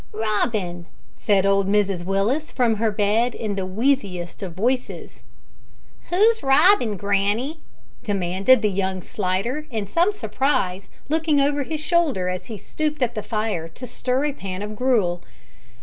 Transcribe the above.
"Robin," said old Mrs Willis from her bed, in the wheeziest of voices. "Who's Robin, granny?" demanded young Slidder, in some surprise, looking over his shoulder as he stooped at the fire to stir a pan of gruel.